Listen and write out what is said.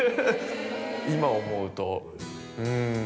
今思うとうん。